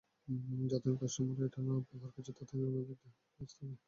যতদিন কাস্টমাররা এটা না ব্যবহার করছে, ততদিন, ওনাদের আসতেই দিবেন না।